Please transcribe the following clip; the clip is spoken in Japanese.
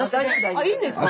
あいいんですか